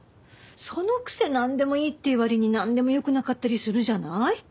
そのくせなんでもいいって言う割になんでもよくなかったりするじゃない？